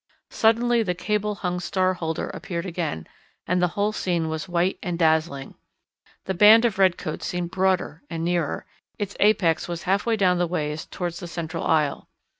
Suddenly the cable hung star holder appeared again, and the whole scene was white and dazzling. The band of red coats seemed broader and nearer; its apex was half way down the ways towards the central aisle.